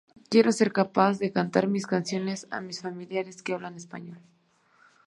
Quiero ser capaz de cantar mis canciones a mis familiares que hablan español".